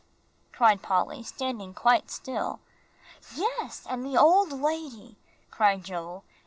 cried Polly, standing quite still. "Yes, and the old lady," cried Joel.